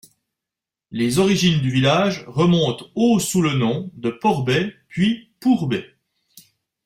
Les origines du village remontent au sous le nom de Porbais, puis Pourbais.